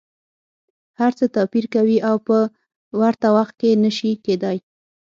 هر څه توپیر کوي او په ورته وخت کي نه شي کیدای.